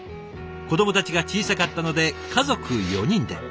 子どもたちが小さかったので家族４人で。